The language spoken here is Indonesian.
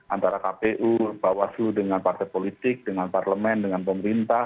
antara kpu bawaslu dengan partai politik dengan parlemen dengan pemerintah